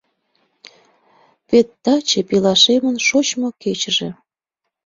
Вет таче — пелашемын шочмо кечыже!